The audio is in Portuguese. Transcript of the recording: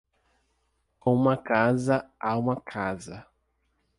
Com uma casa, há uma casa.